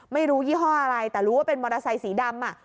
ไม่รู้ยี่ห้ออะไรแต่รู้ว่าเป็นมอเตอร์ไซค์สีดำอ่ะ